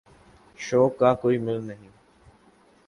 شوق دا کوئ مُل نہیں۔